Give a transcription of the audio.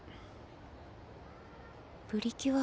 プリキュア。